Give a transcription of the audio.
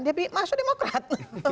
dia masuk demokrat